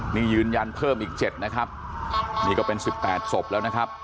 นี่ยืนยันเพิ่มอีก๗นะครับนี่ก็เป็น๑๘ศพแล้วนะครับ